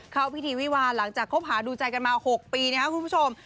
เข้าพิธีวิวาหลังจากคบหาดูใจกันมา๖ปีนะครับคุณผู้ชม